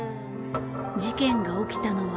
事件が起きたのは。